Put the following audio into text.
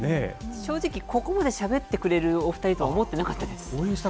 正直、ここまでしゃべってくれるお２人とは思ってなかったです。